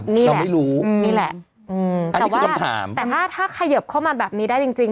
นี่แหละเขาไม่รู้อืมนี่แหละอืมอันนี้คือคำถามแต่ถ้าถ้าขยับเข้ามาแบบนี้ได้จริงจริง